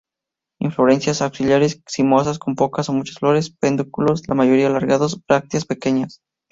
Inflorescencias axilares, cimosas, con pocas a muchas flores; pedúnculos la mayoría alargados; brácteas pequeñas.